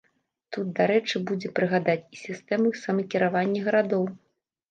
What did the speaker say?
Тут дарэчы будзе прыгадаць і сістэму самакіравання гарадоў.